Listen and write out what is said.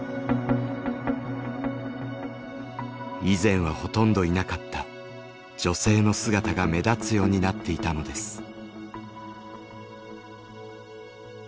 以前はほとんどいなかった女性の姿が目立つようになっていたのです。